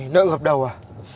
nợ ngập đầu à